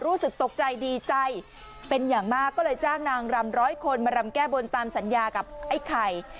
รู้สึกตกใจดีใจเป็นอย่างมากก็เลยจ้างนางรำร้อยคนมารำแก้บนตามสัญญากับไอ้ไข่